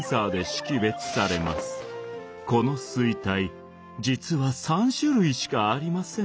この錐体実は３種類しかありません。